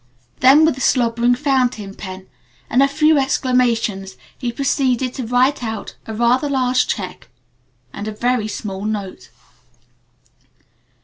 Then with a slobbering fountain pen and a few exclamations he proceeded to write out a rather large check and a very small note.